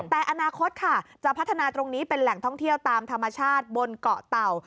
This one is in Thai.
แต่อนาคตค่ะจะพัฒนาตรงนี้เป็นแหล่งท่องเที่ยวตามธรรมชาติบนเกาะเต่า